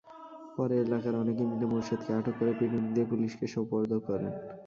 পরে এলাকার অনেকে মিলে মোরশেদকে আটক করে পিটুনি দিয়ে পুলিশে সোপর্দ করেন।